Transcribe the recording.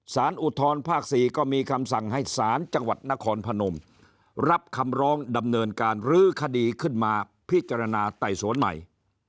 อุทธรภาค๔ก็มีคำสั่งให้ศาลจังหวัดนครพนมรับคำร้องดำเนินการลื้อคดีขึ้นมาพิจารณาไต่สวนใหม่